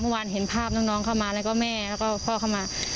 เห็นภาพน้องเข้ามาแล้วก็แม่แล้วก็พ่อเข้ามา